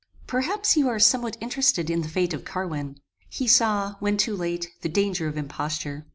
Perhaps you are somewhat interested in the fate of Carwin. He saw, when too late, the danger of imposture.